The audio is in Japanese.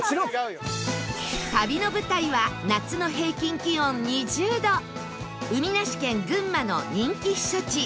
旅の舞台は夏の平均気温２０度海なし県群馬の人気避暑地